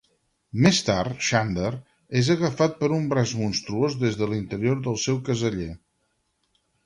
Més tard, Xander és agafat per un braç monstruós des de l'interior del seu caseller.